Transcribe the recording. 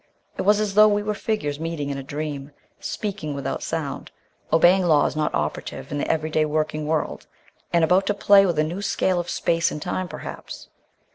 It was as though we were figures meeting in a dream, speaking without sound, obeying laws not operative in the everyday working world, and about to play with a new scale of space and time perhaps.